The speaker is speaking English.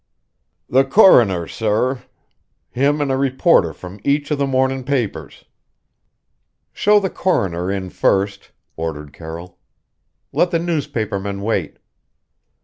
"The coroner, sorr him an' a reporter from each av the mornin' papers." "Show the coroner in first," ordered Carroll. "Let the newspapermen wait."